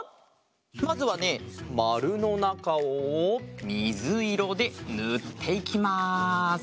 まずはねまるのなかをみずいろでぬっていきます。